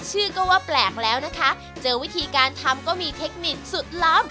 ชื่อก็ว่าแปลกแล้วนะคะเจอวิธีการทำก็มีเทคนิคสุดล้ำ